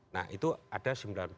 nah itu ada sembilan puluh tiga